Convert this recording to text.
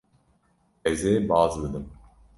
Ez ê baz bidim.